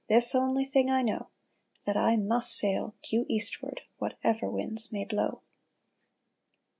This only thing I know. That I must sail due eastward Whatever winds may blow